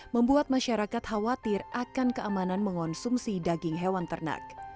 membuat masyarakat khawatir akan keamanan mengonsumsi daging hewan ternak